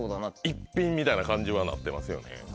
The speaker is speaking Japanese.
一品みたいな感じはなってますよね。